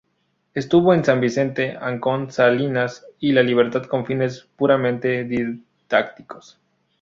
Estuvo en San Vicente, Ancón, Salinas y la Libertad con fines puramente didácticos.